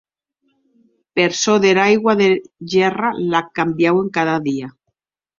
Per çò dera aigua dera gèrra, l'ac cambiauen cada dia.